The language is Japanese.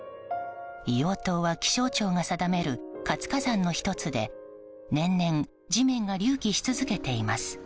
硫黄島は気象庁が定める活火山の１つで年々、地面が隆起し続けています。